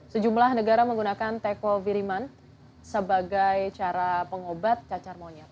sejumlah negara menggunakan teko firiman sebagai cara pengobat cacar monyet